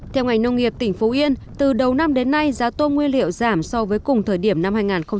theo ngành nông nghiệp tỉnh phú yên từ đầu năm đến nay giá tôm nguyên liệu giảm so với cùng thời điểm năm hai nghìn một mươi tám